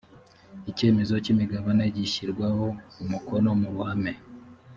icyemezo cy’imigabane gishyirwaho umukono mu ruhame